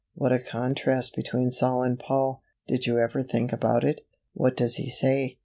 What a contrast between Saul and Paul. Did you ever think about it? What does he say?